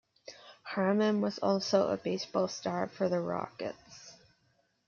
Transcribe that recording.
Harmon was also a baseball star for the Rockets.